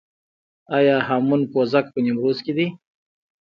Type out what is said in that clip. آیا هامون پوزک په نیمروز کې دی؟